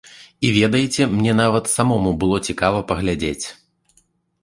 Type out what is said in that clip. І ведаеце, мне нават самому было цікава паглядзець.